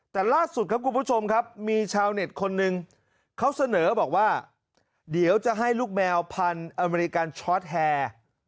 แต่ล่าสุดครับคุณผู้ชมครับมีชาวเน็ตคนหนึ่งเขาเสนอบอกว่าเดี๋ยวจะให้ลูกแมวพันธุ์อเมริกันชอตแฮร์